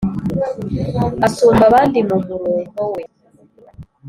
asumba abandi mu muronko we